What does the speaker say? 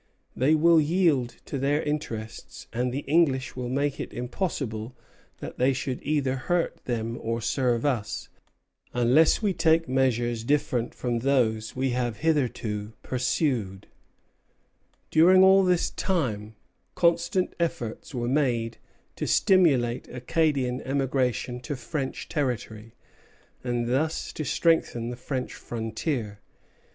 They will yield to their interests; and the English will make it impossible that they should either hurt them or serve us, unless we take measures different from those we have hitherto pursued." Mémoire à présenter à la Cour, 1753. Roma au Ministre, 11 Mars, 1750. During all this time, constant efforts were made to stimulate Acadian emigration to French territory, and thus to strengthen the French frontier.